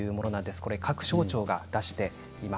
各省庁が出しています。